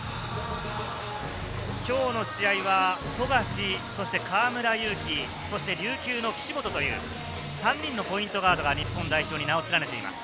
今日の試合は富樫、そして河村勇輝、琉球の岸本という３人のポイントガードが日本代表に名を連ねています。